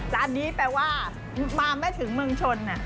จานนี้แปลว่ามาไม่ถึงเมืองชน